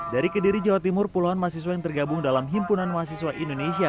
dari kediri jawa timur puluhan mahasiswa yang tergabung dalam himpunan mahasiswa indonesia